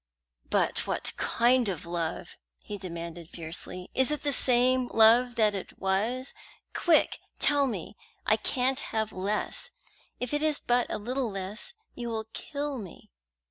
"But what kind of love?" he demanded fiercely. "Is it the same love that it was? Quick, tell me. I can't have less. If it is but a little less, you will kill me."